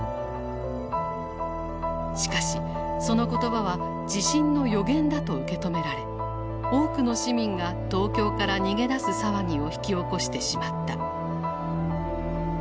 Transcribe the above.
しかしその言葉は地震の予言だと受け止められ多くの市民が東京から逃げ出す騒ぎを引き起こしてしまった。